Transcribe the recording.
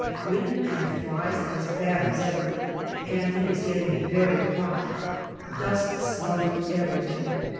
Wind and flies as bad as ever, and it is getting very hot. Dust smothering everything.